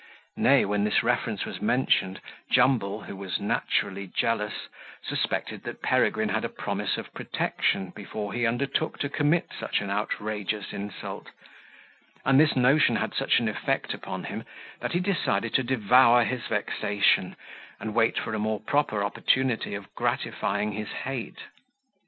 Nay, when this reference was mentioned, Jumble, who was naturally jealous, suspected that Peregrine had a promise of protection before he undertook to commit such an outrageous insult; and this notion had such an effect upon him, that he decided to devour his vexation, and wait for a more proper opportunity of gratifying his hate.